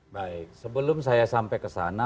baik sebelum saya sampai kesana